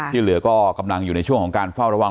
ที่เหลือก็กำลังอยู่ในช่วงของการเฝ้าระวัง